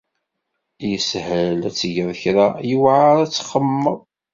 Yeshel ad tgeḍ kra, yewεer ad txemmemeḍ.